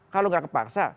kalau gak kepaksa